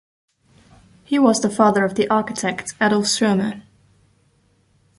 He was the father of the architect Adolf Schirmer.